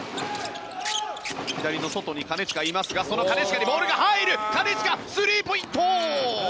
左の外に金近がいますがその金近にボールが入る金近、スリーポイント！